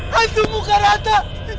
hantu muka rata